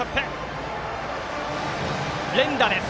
連打です。